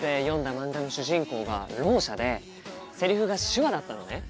漫画の主人公がろう者でセリフが手話だったのね。